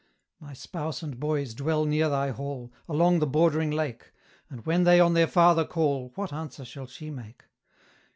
'My spouse and boys dwell near thy hall, Along the bordering lake; And when they on their father call, What answer shall she make?'